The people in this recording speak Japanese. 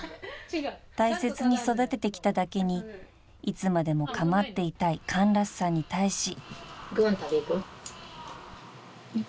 ［大切に育ててきただけにいつまでも構っていたいカンラスさんに対し］